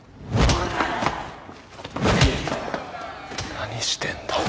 何してんだよ。